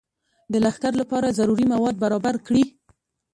د لښکر لپاره ضروري مواد برابر کړي.